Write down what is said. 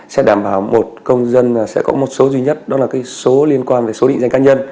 sẽ đảm bảo một công dân sẽ có một số duy nhất đó là số liên quan về số định danh cá nhân